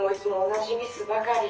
同じミスばかり。